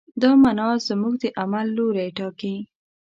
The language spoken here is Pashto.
دا معنی زموږ د عمل لوری ټاکي.